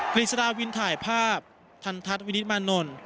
กฤษฎาวินถ่ายภาพทันทัศน์วินิตมานนท์